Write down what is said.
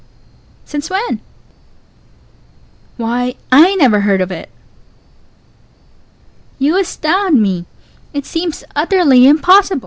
Since when? Pause. Why, I never heard of it. Pause. You astound me! It seems utterly impossible!